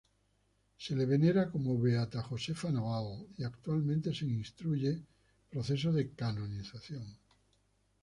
Se le venera como Beata Josefa Naval y actualmente se instruye proceso de canonización.